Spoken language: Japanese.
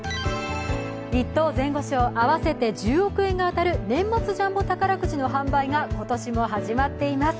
一等・前後賞合わせて１０億円が当たる年末ジャンボ宝くじの販売が今年も始まっています。